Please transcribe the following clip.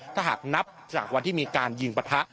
ถ้าหากนับจากวันที่มีการยิงปะทะ